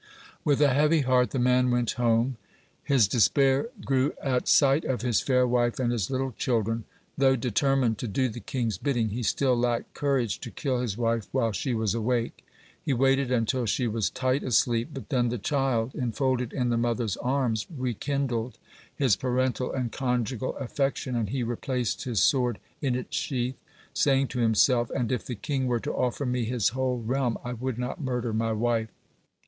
With a heavy heart the man went home. His despair grew at sight of his fair wife and his little children. Though determined to do the king's bidding, he still lacked courage to kill his wife while she was awake. He waited until she was tight asleep, but then the child enfolded in the mother's arms rekindled his parental and conjugal affection, and he replaced his sword in its sheath, saying to himself: "And if the king were to offer me his whole realm, I would not murder my wife."